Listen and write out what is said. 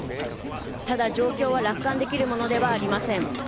ただ状況は楽観できるものではありません。